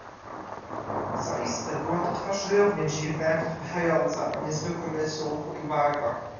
"Zaiste była to twarz równie dziwna, jak odpychająca, o niezwykłym rysunku i barwach."